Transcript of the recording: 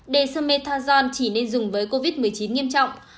dexamethasone chỉ nên dùng với covid một mươi chín nghiêm trọng